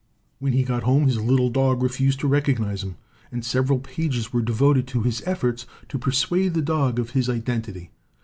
When he got home his little dog refused to recog nize him, and several pages were devoted to his efforts to persuade the dog of his identity.